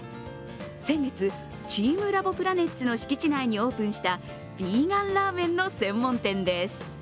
先月、チームラボプラネッツの敷地内にオープンしたヴィーガンラーメンの専門店です。